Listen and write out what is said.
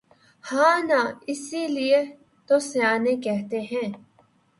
ہاں نا اسی لئے تو سیانے کہتے ہیں